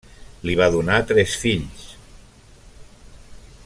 Li va donar tres fills.